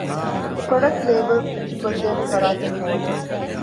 ޕްރޮޑަކްޓް ލޭބަލް ޕްރިންޓްކޮށްދޭނެ ފަރާތެއް ހޯދުން